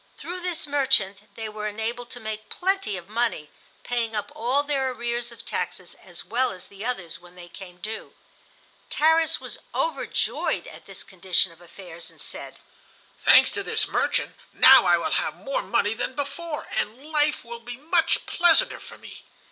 Through this "merchant" they were enabled to make plenty of money, paying up all their arrears of taxes as well as the others when they came due. Tarras was overjoyed at this condition of affairs and said: "Thanks to this merchant, now I will have more money than before, and life will be much pleasanter for me."